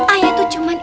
ayah tuh cuman